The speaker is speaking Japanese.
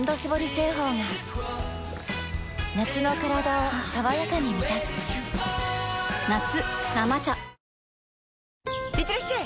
製法が夏のカラダを爽やかに満たす夏「生茶」いってらっしゃい！